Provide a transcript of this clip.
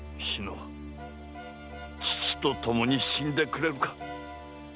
志乃父と共に死んでくれるか。